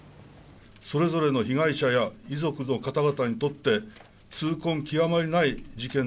それぞれの被害者や遺族の方々にとって痛恨極まりない事件であると思います。